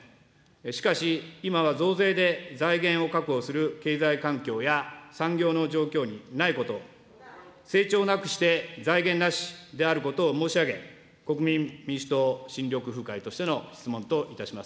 しかし、今は増税で財源を確保する経済環境や、産業の状況にないこと、成長なくして財源なしであることを申し上げ、国民民主党・新緑風会としての質問といたします。